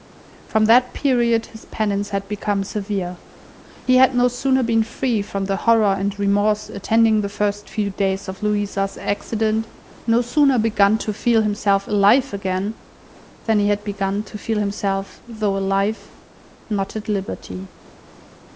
From that period his penance had become severe. He had no sooner been free from the horror and remorse attending the first few days of Louisa's accident, no sooner begun to feel himself alive again, than he had begun to feel himself, though alive, not at liberty.